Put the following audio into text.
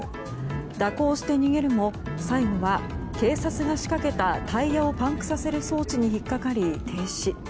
蛇行して逃げるも最後は警察が仕掛けたタイヤをパンクさせる装置に引っ掛かり、停止。